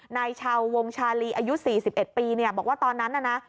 นายชาววงชาลีอายุ๔๑ปีบอกว่าตอนนั้นน่ะนะ